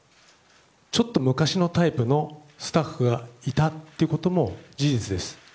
ちょっと昔のタイプのスタッフがいたということも事実です。